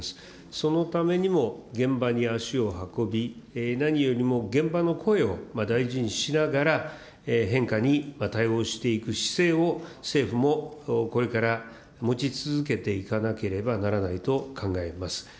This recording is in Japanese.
そのためにも、現場に足を運び、何よりも現場の声を大事にしながら、変化に対応していく姿勢を、政府もこれから持ち続けていかなければならないと考えます。